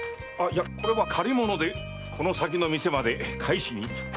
いやこれは借り物でこの先の店まで返しに。